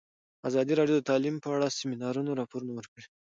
ازادي راډیو د تعلیم په اړه د سیمینارونو راپورونه ورکړي.